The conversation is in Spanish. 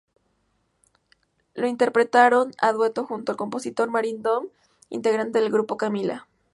Lo interpretaron a dueto junto al compositor Mario Domm, integrante del grupo Camila.